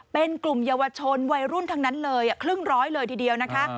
เป็นกลุ่มเยาวชนวัยรุ่นทั้งนั้นเลยครึ่งร้อยเลยทีเดียวนะคะ